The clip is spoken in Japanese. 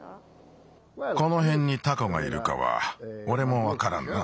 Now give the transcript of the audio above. このへんにタコがいるかはおれもわからんな。